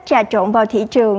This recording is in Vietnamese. trà trộn vào thị trường